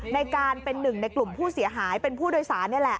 ในการเป็นหนึ่งในกลุ่มผู้เสียหายเป็นผู้โดยสารนี่แหละ